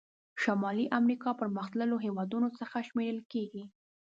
شمالي امریکا پرمختللو هېوادونو څخه شمیرل کیږي.